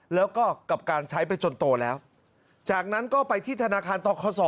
แล้วก็กับการใช้ไปจนโตแล้วจากนั้นก็ไปที่ธนาคารต่อคศ